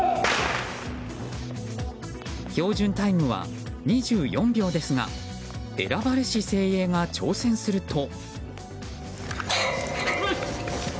標準タイムは、２４秒ですが選ばれし精鋭が挑戦すると。